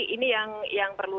ini yang perlu